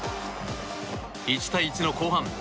１対１の後半。